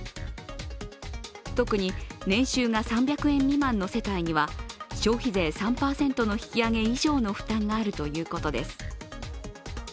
特に年収が３００万円未満の世帯には消費税３％の引き上げ以上の負担があるということです。